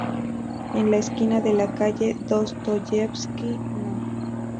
En la esquina de la calle Dostoyevski No.